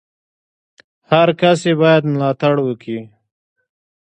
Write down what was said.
هر کس ئې بايد ملاتړ وکي!